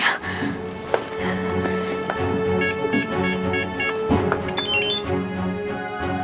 jadi aku mau pergi semuanya